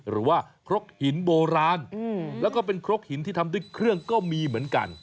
หรือว่าครกหินโบราณแล้วก็เป็นครกหินที่ทำด้วยเครื่องก็มีเหมือนกัน